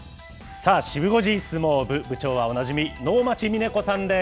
さあ、シブ５時相撲部、部長はおなじみ、能町みね子さんです。